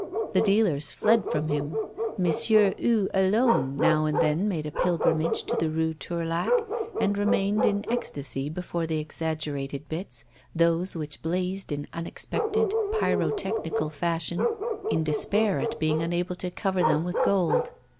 The dealers fled from him. M. Hue alone now and then made a pilgrimage to the Rue Tourlaque, and remained in ecstasy before the exaggerated bits, those which blazed in unexpected pyrotechnical fashion, in despair at being unable to cover them with gold.